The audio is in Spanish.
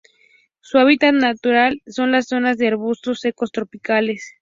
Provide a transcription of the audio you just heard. Su hábitat natural son las zonas de arbustos secos tropicales.